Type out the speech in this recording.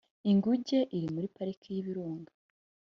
inguge iri muri pariki y ibirunga